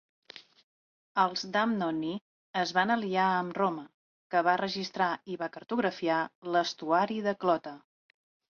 Els Damnonii es van aliar amb Roma, que va registrar i va cartografiar l'estuari de Clota.